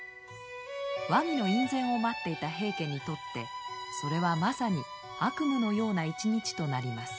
和議の院宣を待っていた平家にとってそれはまさに悪夢のような一日となります。